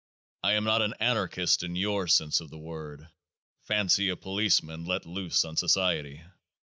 I am not an Anarchist in your sense of the word : fancy a Policeman let loose on Society